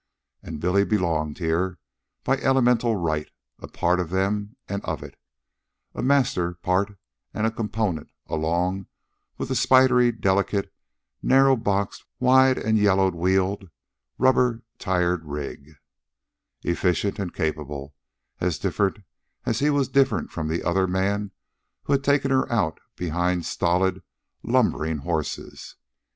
And Billy belonged here, by elemental right, a part of them and of it, a master part and a component, along with the spidery delicate, narrow boxed, wide and yellow wheeled, rubber tired rig, efficient and capable, as different as he was different from the other man who had taken her out behind stolid, lumbering horses.